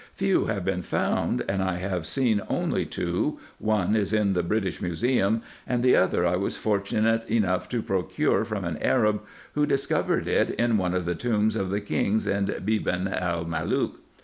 Few have been found, and I have seen only two, — one is in the British Museum, and the other I was fortunate enough to procure from an Arab, who discovered it in one of the tombj of the kings in Beban el Malook.